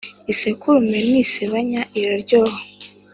isekurume ntisebanya iraryoha